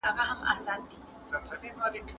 د راتلونکې لپاره چمتووالی ضروري دی.